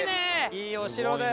いいお城だよ。